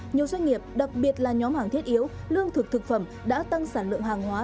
nhiều doanh nghiệp đặc biệt là nhóm hàng thiết yếu lương thực thực phẩm đã tăng sản lượng hàng hóa